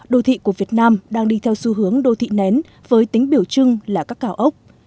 đô thị của việt nam đang đi theo xu hướng đô thị nén với tính biểu trưng là các cao ốc